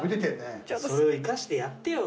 それを生かしてやってよ